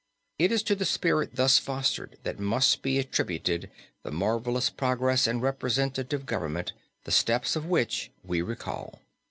It is to the spirit thus fostered that must be attributed the marvelous progress in representative government, the steps of which we recall.